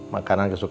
makanan kesukaan saya